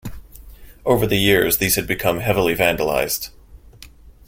Over the years these had become heavily vandalised.